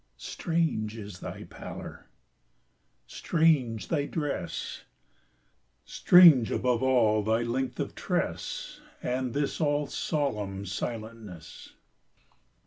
Strange is thy pallor! strange thy dress! Strange, above all, thy length of tress, And this all solemn silentness!